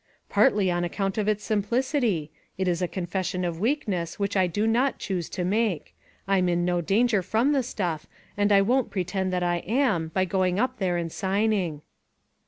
" Partly on account of its simplicity. It 414 ONE COMMONPLACE DAY. is a confession of weakness which I do not choose to make. I'm in no danger from the stuff, and I won't pretend that I am, by going up there and signing."